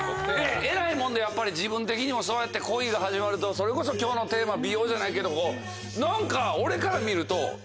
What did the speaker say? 偉いもんでやっぱり自分的にもそうやって恋が始まるとそれこそ今日のテーマ美容じゃないけど何か俺から見ると。